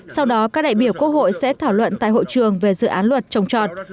sau đó các đại biểu quốc hội sẽ thảo luận tại hội trường về dự án luật trồng trọt